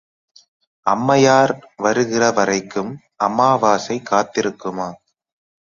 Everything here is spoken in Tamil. அம்மையார் வருகிற வரைக்கும் அமாவாசை காத்திருக்குமா?